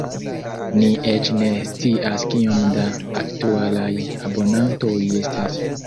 Ni eĉ ne scias kiom da aktualaj abonantoj estas.